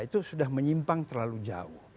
itu sudah menyimpang terlalu jauh